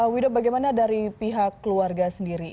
wida bagaimana dari pihak keluarga sendiri